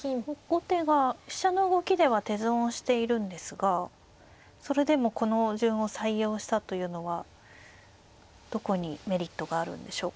後手は飛車の動きでは手損をしているんですがそれでもこの順を採用したというのはどこにメリットがあるんでしょうか。